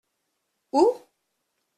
Où ?